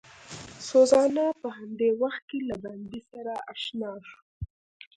سوزانا په همدې وخت کې له بندي سره اشنا شوه.